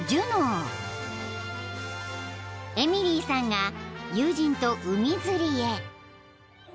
［エミリーさんが友人と海釣りへ］